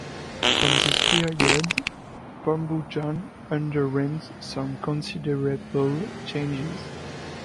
From this period Pambujan underwent some considerable changes.